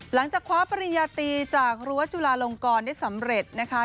หลังจากคว้าปริญญาตีจากรั้วจุลาลงกรได้สำเร็จนะคะ